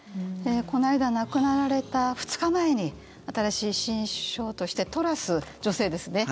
この間、亡くなられた２日前に新しい新首相としてトラス女性ですね